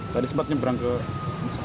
dan sempat menyeberang ke nusa kambangan